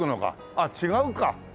あっ違うか。